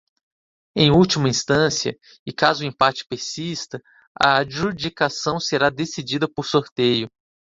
Em última instância e caso o empate persista, a adjudicação será decidida por sorteio.